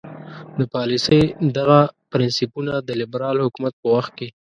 د پالیسۍ دغه پرنسیپونه د لیبرال حکومت په وخت کې.